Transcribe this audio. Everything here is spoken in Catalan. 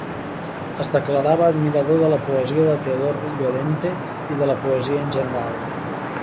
Es declarava admirador de la poesia de Teodor Llorente i de la poesia en general.